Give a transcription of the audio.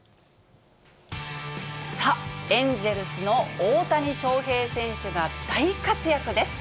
さあ、エンゼルスの大谷翔平選手が大活躍です。